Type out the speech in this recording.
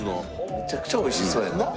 めちゃくちゃ美味しそうやな。